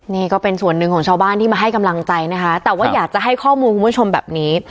นี่ก็เป็นส่วนหนึ่งของชาวบ้านที่มาให้กำลังใจนะคะแต่ว่าอยากจะให้ข้อมูลคุณผู้ชมแบบนี้